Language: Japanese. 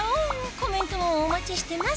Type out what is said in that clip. コメントもお待ちしてます